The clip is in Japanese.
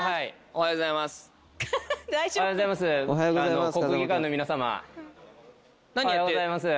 おはようございます。